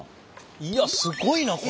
いやすごいなこれ。